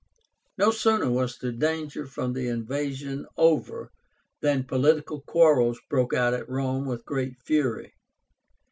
No sooner was the danger from the invasion over than political quarrels broke out at Rome with great fury.